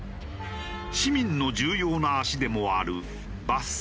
市民の重要な足でもある。